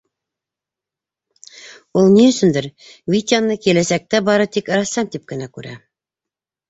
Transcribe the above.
Ул ни өсөндөр Витяны киләсәктә бары тик рәссам тип кенә күрә.